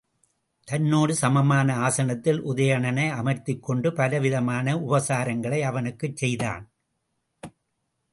தன்னோடு சமமான ஆசனத்தில் உதயணனை அமர்த்திக்கொண்டு பலவிதமான உபசாரங்களை அவனுக்குச் செய்தான்.